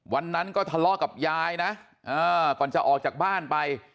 วันนั้นก็ทะเลาะกับยายนะก่อนจะออกจากบ้านไป